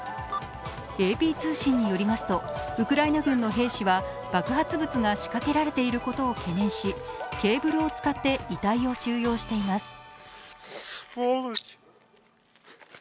ＡＰ通信によりますと、ウクライナ軍の兵士は爆発物が仕掛けられていることを懸念し、ケーブルを使って遺体を収容しています。